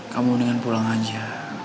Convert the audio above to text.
kamu mendingan pulang aja